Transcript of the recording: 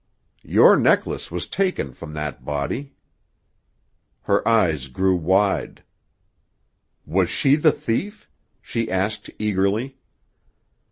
"Your necklace was taken from that body." Her eyes grew wide. "Was she the thief?" she asked eagerly.